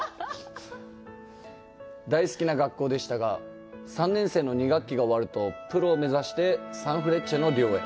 大好きな学校でしたが３年生の２学期が終わるとプロを目指してサンフレッチェの寮へ。